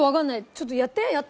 ちょっとやってやって。